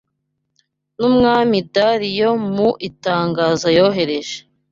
N’umwami Dariyo mu itangazo yoherereje